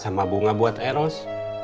sama bunga buat eros